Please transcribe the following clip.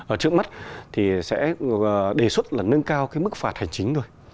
ở trước mắt thì sẽ đề xuất là nâng cao cái mức phạt hành chính thôi